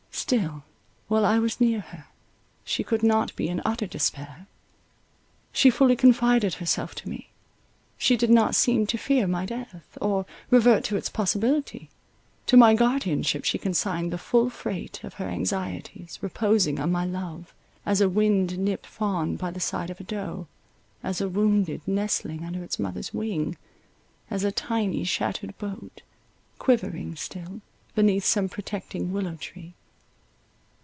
Still while I was near her, she could not be in utter despair— she fully confided herself to me—she did not seem to fear my death, or revert to its possibility; to my guardianship she consigned the full freight of her anxieties, reposing on my love, as a wind nipped fawn by the side of a doe, as a wounded nestling under its mother's wing, as a tiny, shattered boat, quivering still, beneath some protecting willow tree.